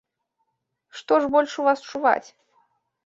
Што ж больш у вас чуваць?